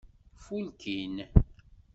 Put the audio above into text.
Fulkin.